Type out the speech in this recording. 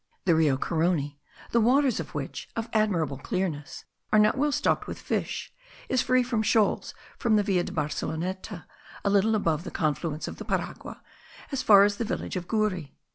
The Rio Carony, the waters of which, of an admirable clearness, are not well stocked with fish, is free from shoals from the Villa de Barceloneta, a little above the confluence of the Paragua, as far as the village of Guri.